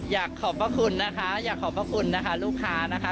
ขอบพระคุณนะคะอยากขอบพระคุณนะคะลูกค้านะคะ